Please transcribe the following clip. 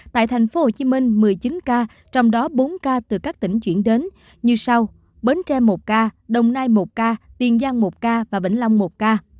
tại tp hcm một mươi chín ca trong đó bốn ca từ các tỉnh chuyển đến như sau bến tre một ca đồng nai một ca tiền giang một ca và vĩnh long một ca